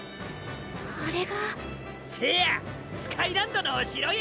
あれがせやスカイランドのお城や！